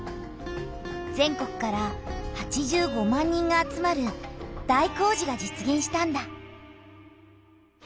全国から８５万人が集まる大工事が実げんしたんだ。